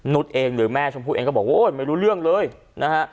เองหรือแม่ชมพู่เองก็บอกโอ้ยไม่รู้เรื่องเลยนะฮะ